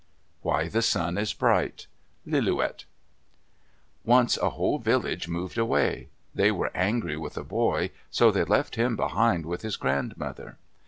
WHY THE SUN IS BRIGHT Lillooet Once a whole village moved away. They were angry with a boy, so they left him behind with his grandmother.